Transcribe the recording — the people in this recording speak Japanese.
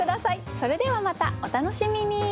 それではまたお楽しみに。